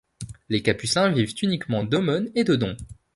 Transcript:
Les capucins vivent uniquement d'aumônes et de dons.